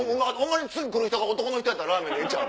次来る人が男の人やったらラーメンでええんちゃう？